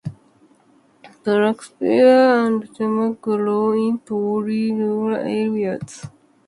Black spruce and tamarack grow in poorly drained areas.